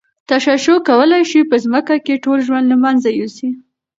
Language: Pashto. تشعشع کولای شي په ځمکه کې ټول ژوند له منځه یوسي.